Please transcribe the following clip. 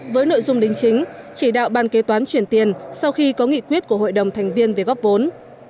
với nội dung đính chính chỉ đạo ban kế toán chuyển tiền sau khi có nghị quyết của hội đồng thành viên về góp vốn